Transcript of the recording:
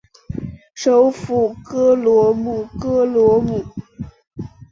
首府戈罗姆戈罗姆。